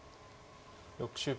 ６０秒。